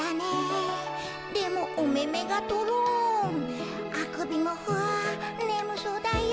「でもおめめがトロンあくびもフワァねむそうだよ」